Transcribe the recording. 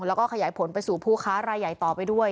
แล้วก็ขยายผลไปสู่ผู้ค้ารายใหญ่ต่อไปด้วย